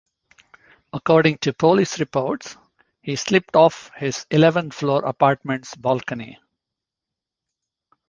According to police reports, he slipped off his eleventh-floor apartment's balcony.